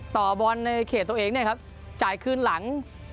ต่อบอลในเขตตัวเองเนี่ยครับจ่ายคืนหลัง